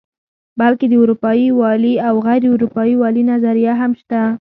بلکې د اروپايي والي او غیر اروپايي والي نظریه هم شته.